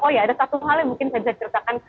oh ya ada satu hal yang mungkin saya bisa ceritakan